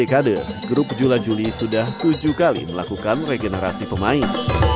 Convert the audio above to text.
berdekati usia tiga dekade grup julajuli sudah tujuh kali melakukan regenerasi pemain